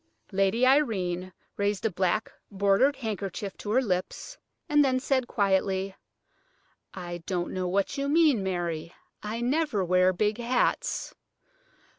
Lady Irene raised a black bordered handkerchief to her lips, then said quietly: "I don't know what you mean, Mary. I never wear big hats."